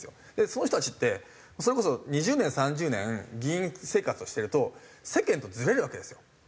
その人たちってそれこそ２０年３０年議員生活をしてると世間とずれるわけですよ。